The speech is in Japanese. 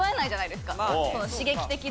刺激的な。